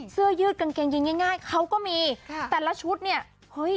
เสื้อยืดกางเกงยีนง่ายง่ายเขาก็มีค่ะแต่ละชุดเนี่ยเฮ้ย